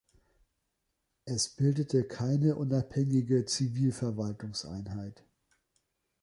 Es bildete keine unabhängige Zivilverwaltungseinheit.